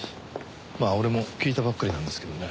まあ俺も聞いたばっかりなんですけどね。